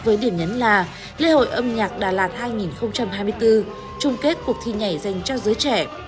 với điểm nhấn là lễ hội âm nhạc đà lạt hai nghìn hai mươi bốn trung kết cuộc thi nhảy dành cho giới trẻ